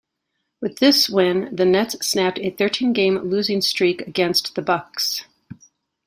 With this win, the Nets snapped a thirteen-game losing streak against the Bucks.